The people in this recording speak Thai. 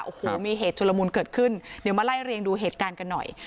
โอ้โหมีเหตุชุลมุนเกิดขึ้นเดี๋ยวมาไล่เรียงดูเหตุการณ์กันหน่อย